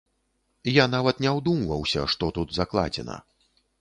Я нават не ўдумваўся, што тут закладзена.